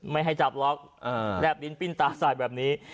ไม่ให้จับหรอกแรบลิ้นปิ้นตาใส่แบบนี้